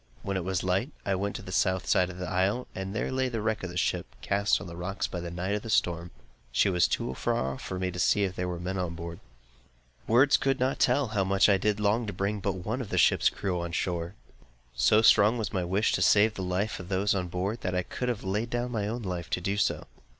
When it was light, I went to the South side of the isle, and there lay the wreck of a ship, cast on the rocks in the night by the storm. She was too far off for me to see if there were men on board. Words could not tell how much I did long to bring but one of the ship's crew to the shore! So strong was my wish to save the life of those on board, that I could have laid down my own life to do so.